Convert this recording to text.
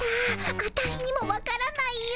アタイにもわからないよ。